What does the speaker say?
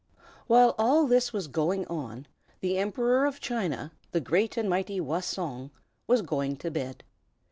While all this was going on, the Emperor of China, the great and mighty Wah Song, was going to bed.